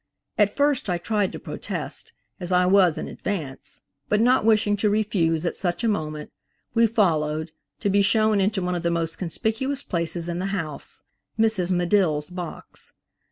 At first I tried to protest, as I was in advance; but not wishing to refuse at such a moment, we followed, to be shown into one of the most conspicuous places in the house–Mrs. Medill's box.